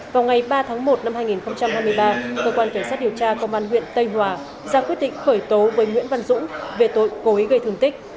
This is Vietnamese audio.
vào ngày ba tháng một năm hai nghìn hai mươi ba cơ quan cảnh sát điều tra công an huyện tây hòa ra quyết định khởi tố với nguyễn văn dũng về tội cố ý gây thương tích